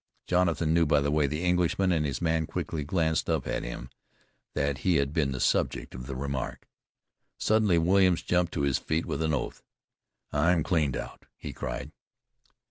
Jonathan knew by the way the Englishman and his man quickly glanced up at him, that he had been the subject of the remark. Suddenly Williams jumped to his feet with an oath. "I'm cleaned out," he cried.